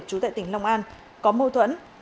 chú tại tỉnh long an có mâu thuẫn